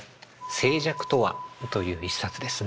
「静寂とは」という一冊ですね。